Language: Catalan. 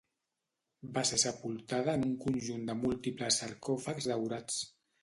Va ser sepultada en un conjunt de múltiples sarcòfags daurats.